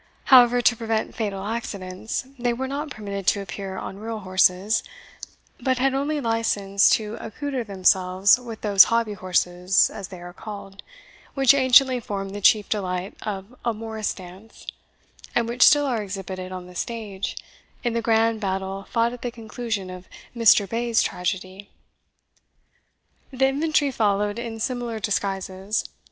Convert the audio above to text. However, to prevent fatal accidents, they were not permitted to appear on real horses, but had only license to accoutre themselves with those hobby horses, as they are called, which anciently formed the chief delight of a morrice dance, and which still are exhibited on the stage, in the grand battle fought at the conclusion of Mr. Bayes's tragedy. The infantry followed in similar disguises.